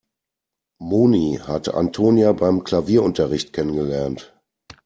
Moni hat Antonia beim Klavierunterricht kennengelernt.